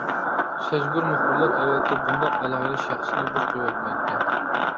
سەزگۈر مۇخبىرلار ئەلۋەتتە بۇنداق ئالاھىدە شەخسنى بوش قويۇۋەتمەيتتى.